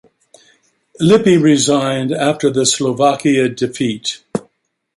Lippi resigned after the Slovakia defeat.